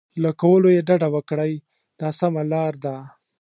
له کولو یې ډډه وکړئ دا سمه لار ده.